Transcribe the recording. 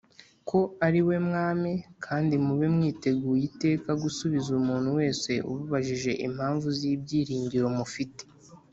ko ari we Mwami, kandi mube mwiteguye iteka gusubiza umuntu wese ubabajije impamvu z'ibyiringiro mufite,